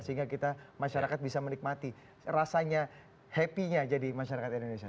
sehingga kita masyarakat bisa menikmati rasanya happy nya jadi masyarakat indonesia